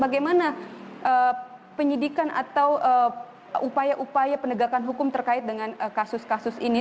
bagaimana penyidikan atau upaya upaya penegakan hukum terkait dengan kasus kasus ini